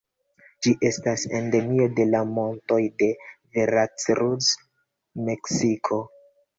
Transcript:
Ĝi estas endemio de la montoj de Veracruz, Meksiko.